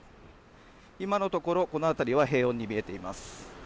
今のところこの辺りは平穏に見えています。